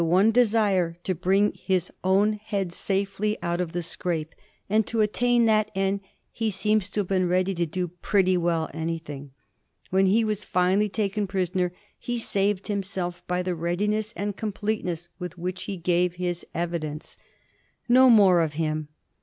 one desire to bring his own head safely out of the scrape, and to attain that end he seems to have been ready to do pretty well anything. When he was finally taken prisr oner he saved himself by the readiness and complete ness with which he gave his evidence. No more of him.